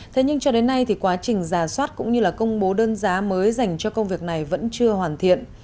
thế nhưng cho đến nay thì quá trình giả soát cũng như là công bố đơn giá mới dành cho công việc này vẫn chưa hoàn thiện